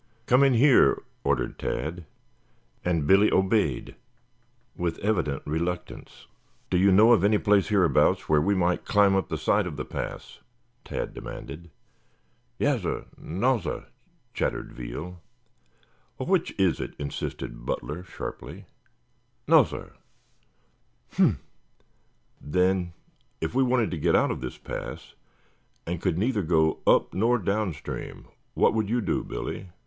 "Come in here," ordered Tad, and Billy obeyed with evident reluctance. "Do you know of any place hereabouts where we might climb up the side of the pass?" Tad demanded. "Yassir, nassir," chattered Veal. "Well, which is it?" insisted Butler sharply. "Nassir." "Humph! Then, if we wanted to get out of this pass, and could neither go up nor downstream, what would you do, Billy?"